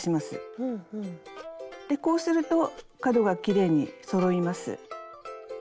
でこうすると角がきれいにそろいます。